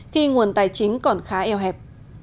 khi nguồn tài chính còn khá eo hẹp